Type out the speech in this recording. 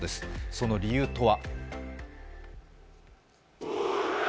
その理由とは？